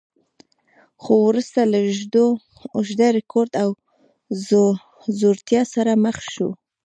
خو وروسته له اوږده رکود او ځوړتیا سره مخ شو.